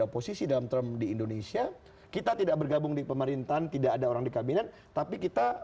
posisi dalam term di indonesia kita tidak bergabung di pemerintahan tidak ada orang di kabinet tapi kita